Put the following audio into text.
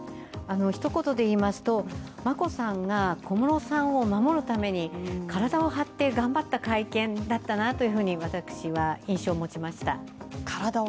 一言で言いますと、眞子さんが小室さんを守るために体を張って頑張った会見だったなと私は印象を持ちました。